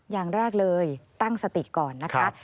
อย่างแรกเลยตั้งสติก่อนนะคะ